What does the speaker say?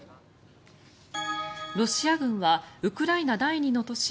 ロシア軍はウクライナ第２の都市